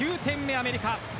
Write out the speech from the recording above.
アメリカ。